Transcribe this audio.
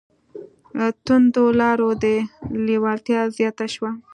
توندو لارو ته لېوالتیا زیاته شوه